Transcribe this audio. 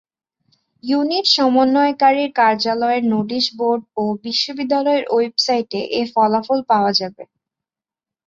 Unit সমন্বয়কারীর কার্যালয়ের notice board ও বিশ্ববিদ্যালয়ের ওয়েবসাইটে এ ফলাফল পাওয়া যাবে।